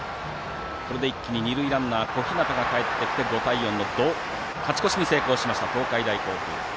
これで一気に二塁ランナーの小日向がかえってきて勝ち越しに成功した東海大甲府。